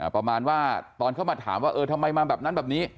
ประมาณว่าตอนเข้ามาถามว่าเออทำไมมาแบบนั้นแบบนี้